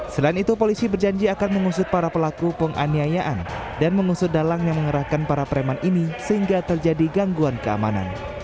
selain itu polisi berjanji akan mengusut para pelaku penganiayaan dan mengusut dalang yang mengerahkan para preman ini sehingga terjadi gangguan keamanan